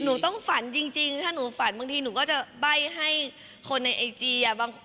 หนูต้องฝันจริงถ้าหนูฝันบางทีหนูก็จะใบ้ให้คนในไอจี